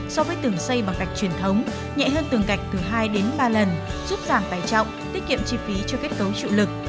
so với tường xây bằng gạch truyền thống nhẹ hơn tường gạch từ hai đến ba lần giúp giảm tài trọng tiết kiệm chi phí cho kết cấu trụ lực